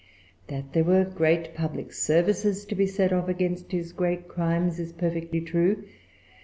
That there were great public services to be set off against his great crimes is perfectly true.